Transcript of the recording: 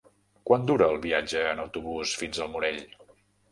Quant dura el viatge en autobús fins al Morell?